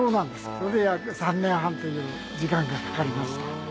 それで約３年半という時間がかかりました。